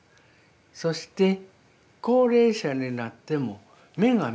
そして高齢者になっても目が見える。